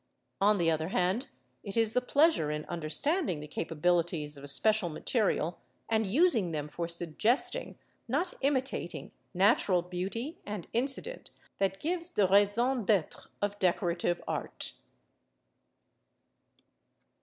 On the other hand, it is the pleasure in understanding the capabilities of a special material, and using them for suggesting (not imitating) natural beauty and incident, that gives the raison d'être of decorative art.